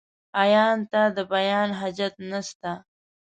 عيان ته ، د بيان حاجت نسته.